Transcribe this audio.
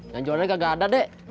nganjolannya kagak ada dek